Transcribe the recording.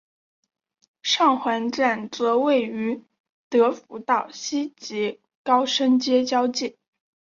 上环站则位于德辅道西及高升街交界。